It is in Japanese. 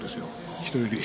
人より。